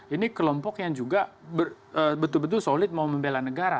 ini kelompok yang juga betul betul solid mau membela negara